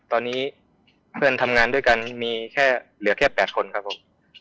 ตอนนี้เพื่อนทำงานด้วยกันมีแค่เหลือแค่๘คนครับผม